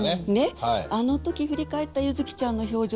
あのとき振り返ったゆづきちゃんの表情